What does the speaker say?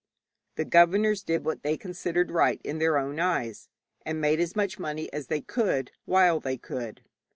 The governors did what they considered right in their own eyes, and made as much money as they could, while they could.